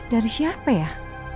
dari siapa ya